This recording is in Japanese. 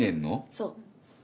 そう。